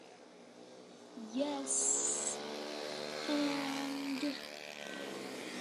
The resulting vehicle featured very heavy armor.